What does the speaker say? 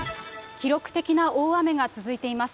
記録的な大雨が続いています。